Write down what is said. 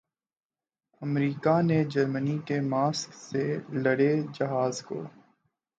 امریکا نے جرمنی کے ماسک سے لدے جہاز کو